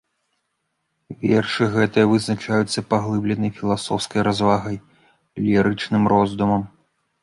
Вершы гэтыя вызначаюцца паглыбленай філасофскай развагай, лірычным роздумам.